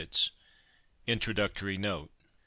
1890 INTRODUCTORY NOTE.